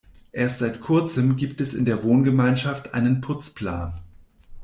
Erst seit kurzem gibt es in der Wohngemeinschaft einen Putzplan.